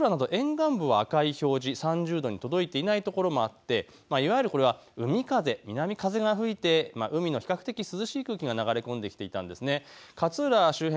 勝浦など沿岸部は赤い表示３０度に届いていないところもあって、いわゆるこれは海風、南風が吹いて海の比較的涼しい空気が流れ込んできていたんです。